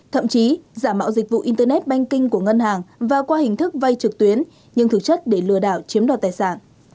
thậm chí giả mạo dịch vụ internet banking của ngân hàng và qua hình thức vay trực tuyến nhưng thực chất để lừa đảo chiếm đoạt tài sản